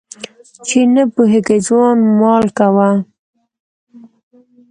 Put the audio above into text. چي نه پوهېږي ځوان مال کوه.